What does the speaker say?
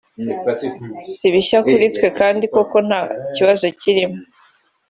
si bishya kuri twe kandi koko nta kibazo kirimo”